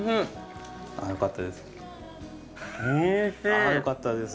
あよかったです。